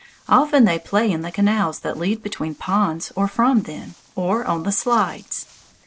Often they play in the canals that lead between ponds or from them, or on the "slides."